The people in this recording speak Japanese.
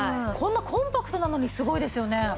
こんなコンパクトなのにすごいですよね。